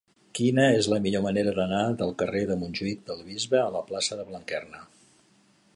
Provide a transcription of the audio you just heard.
Quina és la millor manera d'anar del carrer de Montjuïc del Bisbe a la plaça de Blanquerna?